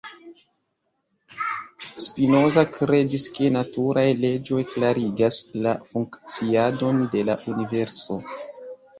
Spinoza kredis ke naturaj leĝoj klarigas la funkciadon de la universo.